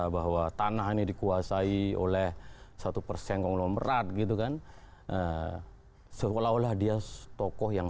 bahwa tanah ini dikuasai oleh satu persen konglomerat gitu kan seolah olah dia tokoh yang